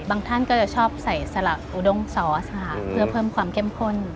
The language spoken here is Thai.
ท่านก็จะชอบใส่สลักอุดงซอสค่ะเพื่อเพิ่มความเข้มข้น